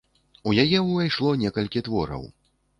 У яе ўвайшло некалькі твораў.